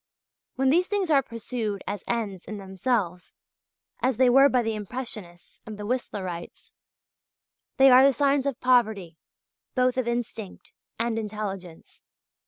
When these things are pursued as ends in themselves, as they were by the Impressionists and the Whistlerites, they are the signs of poverty, both of instinct and intelligence.